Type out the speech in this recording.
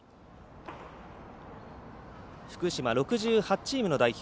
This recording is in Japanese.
福島６８チームの代表